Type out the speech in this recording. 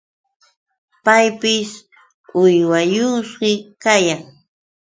Paypis uywayuqshi kayan.